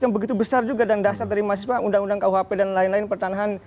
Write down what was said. yang begitu besar juga dan dasar dari mahasiswa undang undang kuhp dan lain lain pertanahan